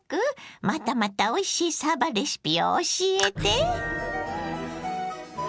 またまたおいしいさばレシピを教えて。